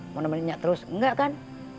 mau nemeninnya terus enggak kan